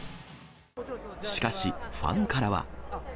しかし、ファンからは。